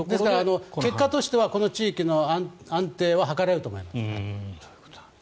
結果としてはこの地域の安定は図れると思います。